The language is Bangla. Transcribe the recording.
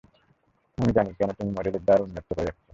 আমি জানি, কেন তুমি মডেলের দ্বার উন্মুক্ত রেখেছ।